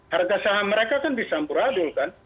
harga saham mereka kan bisa beradul kan